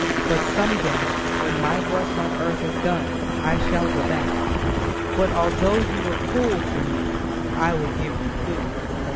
But some day when my work on earth is done I shall go back. But although you were cruel to me I will give you food."